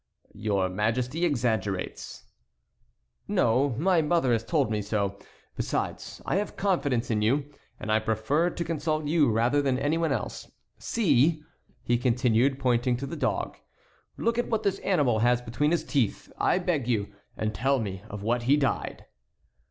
"Your Majesty exaggerates." "No; my mother has told me so. Besides, I have confidence in you, and I prefer to consult you rather than any one else. See," he continued, pointing to the dog, "look at what this animal has between his teeth, I beg you, and tell me of what he died."